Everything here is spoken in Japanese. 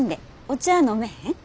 お茶飲めへん？